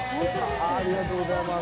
ありがとうございます。